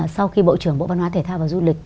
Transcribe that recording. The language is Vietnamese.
sau khi bộ trưởng bộ văn hóa thể thao và du lịch